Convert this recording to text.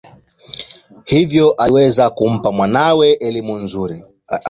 Hivyo aliweza kumpa mwanawe elimu nzuri.